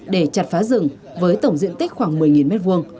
để chặt phá rừng với tổng diện tích khoảng một mươi m hai